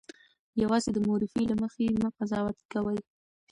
یوازې د مورفي له مخې مه قضاوت کوئ.